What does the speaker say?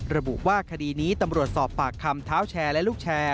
ระบุว่าคดีนี้ตำรวจสอบปากคำเท้าแชร์และลูกแชร์